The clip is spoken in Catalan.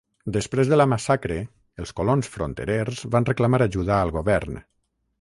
Després de la massacre, els colons fronterers van reclamar ajuda al govern.